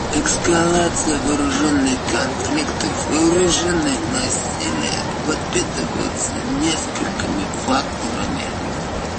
Эскалация вооруженных конфликтов и вооруженное насилие подпитываются несколькими факторами.